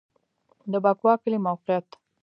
د بکوا کلی موقعیت